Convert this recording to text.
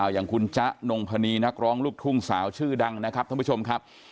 อย่างคุณจ๊ะนงพนีนักร้องลูกทุ่งสาวชื่อดังนะครับท่านผู้ชมครับ